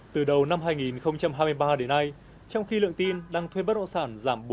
từ đầu năm hai nghìn hai mươi ba đến nay trong khi lượng tin đang thuê bất động sản giảm bốn